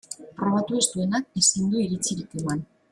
Probatu ez duenak ezin du iritzirik eman.